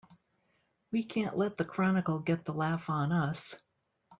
We can't let the Chronicle get the laugh on us!